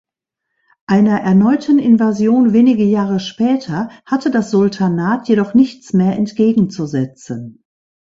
Einer erneuten Invasion wenige Jahre später hatte das Sultanat jedoch nichts mehr entgegenzusetzen.